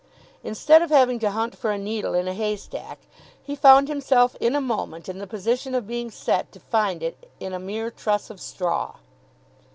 Instead of having to hunt for a needle in a haystack, he found himself in a moment in the position of being set to find it in a mere truss of straw.